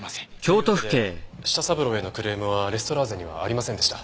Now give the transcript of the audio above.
というわけで舌三郎へのクレームはレストラーゼにはありませんでした。